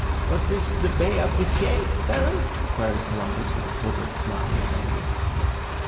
"Was this the Bay of Biscay, Baron?" queried Columbus, with a covert smile at Ptolemy.